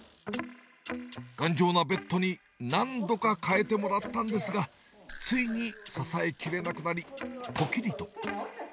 頑丈なベッドに何度か変えてもらったんですが、ついに支えきれなくなり、ぽきりと。